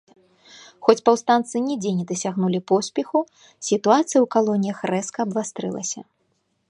Хоць паўстанцы нідзе не дасягнулі поспеху, сітуацыя ў калоніях рэзка абвастрылася.